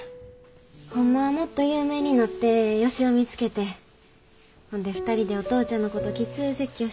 ほんまはもっと有名になってヨシヲ見つけてほんで２人でお父ちゃんのこときつう説教して。